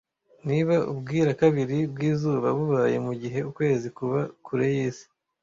Niba ubwirakabiri bw'izuba bubaye mugihe ukwezi kuba kure yisi,